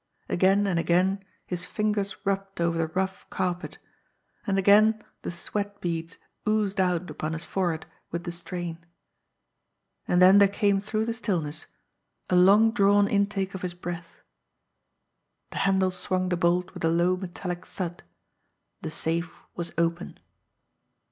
Again and again his fingers rubbed over the rough carpet, and again the sweat beads oozed out upon his forehead with the strain and then there came through the stillness a long drawn intake of his breath. The handle swung the bolt with a low metallic thud the safe was open.